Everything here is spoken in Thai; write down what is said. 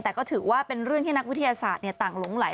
แต่ก็ถือว่าเป็นเรื่องที่นักวิทยาศาสตร์ต่างหลงไหล